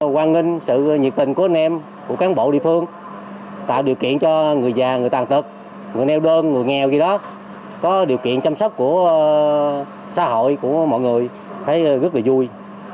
quan nghênh sự nhiệt tình của anh em của cán bộ địa phương tạo điều kiện cho người già người tàn tật người neo đơn người nghèo gì đó có điều kiện chăm sóc của xã hội của mọi người thấy rất là vui